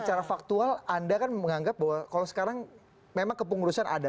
secara faktual anda kan menganggap bahwa kalau sekarang memang kepengurusan ada